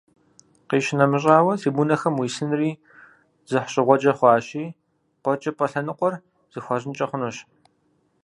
КъищынэмыщӀауэ, трибунэхэм уисынри дзыхьщӀыгъуэджэ хъуащи, «КъуэкӀыпӀэ» лъэныкъуэр зэхуащӀынкӀэ хъунущ.